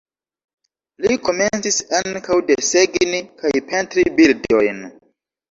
Li komencis ankaŭ desegni kaj pentri birdojn.